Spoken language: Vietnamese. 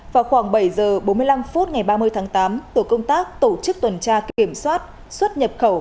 vào khoảng bảy h bốn mươi năm phút ngày ba mươi tháng tám tổ công tác tổ chức tuần tra kiểm soát xuất nhập khẩu